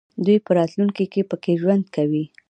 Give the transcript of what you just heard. دوی په راتلونکي کې پکې ژوند کوي.